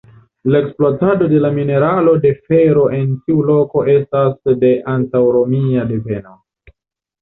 La ekspluatado de la mineralo de fero en tiu loko estas de antaŭromia deveno.